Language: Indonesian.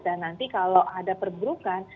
nanti kalau ada perburukan